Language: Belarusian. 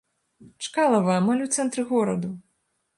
Чкалава, амаль у цэнтры гораду.